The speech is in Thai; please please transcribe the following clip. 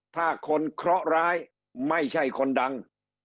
ถ้าคนเคราะหร้ายไม่ใช่คนดัง